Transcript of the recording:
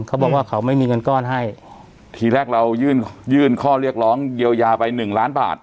เขาบอกว่าเขาไม่มีเงินก้อนให้ทีแรกเรายื่นยื่นข้อเรียกร้องเยียวยาไปหนึ่งล้านบาท